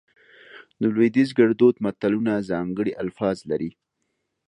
د لودیز ګړدود متلونه ځانګړي الفاظ لري